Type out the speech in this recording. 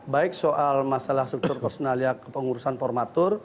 baik soal masalah struktur personalia kepengurusan formatur